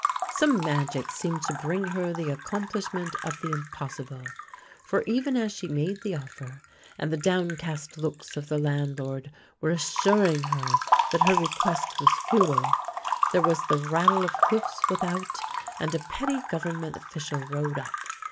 Some magic seemed to bring her the accomplish ment of the impossible, for even as she made the offer, and the downcast looks of the landlord were assuring her that her request was futile, there was the rattle of hoofs without, and a petty Government official rode up.